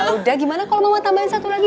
yaudah gimana kalau mama tambahin satu lagi